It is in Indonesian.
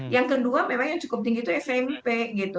yang kedua memang yang cukup tinggi itu smp gitu